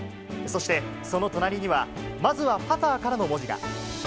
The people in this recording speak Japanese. そして、その隣には、まずはパターからの文字が。